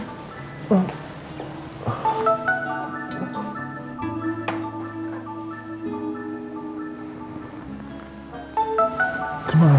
terima kasih pak amar